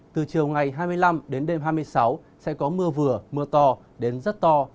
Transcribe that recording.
từ chiều ngày hai mươi năm đến đêm hai mươi sáu sẽ có mưa vừa mưa to đến rất to